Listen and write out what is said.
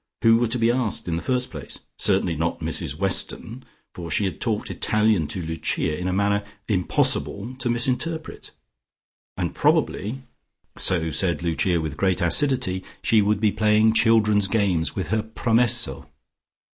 Who were to be asked in the first place? Certainly not Mrs Weston, for she had talked Italian to Lucia in a manner impossible to misinterpret, and probably, so said Lucia with great acidity, she would be playing children's games with her promesso.